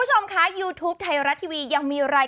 เฮ้ยแน่นรู้สึกที่สุดเลย